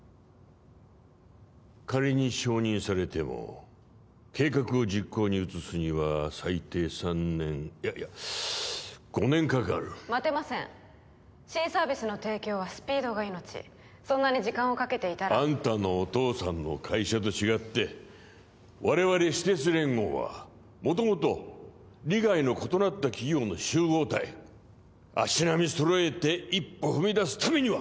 仮に承認されても計画を実行に移すには最低３年いやいや５年かかる待てません新サービスの提供はスピードが命そんなに時間をかけていたらあんたのお父さんの会社と違って我々私鉄連合は元々利害の異なった企業の集合体足並み揃えて一歩踏み出すためには！